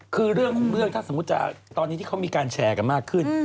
คือเรื่องของเรื่องถ้าสมมุติจะตอนนี้ที่เขามีการแชร์กันมากขึ้น